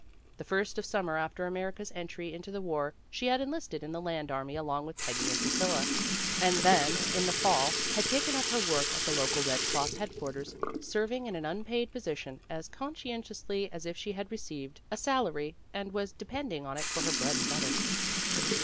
The first summer after America's entry into the war she had enlisted in the Land Army along with Peggy and Priscilla, and then in the fall had taken up her work at the local Red Cross headquarters, serving in an unpaid posi tion as conscientiously as if she had received a PEGGY RAYMOND'S WAY salary and was depending on it for her bread and butter.